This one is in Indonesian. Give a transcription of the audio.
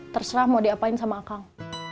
terserah mau diapain sama kang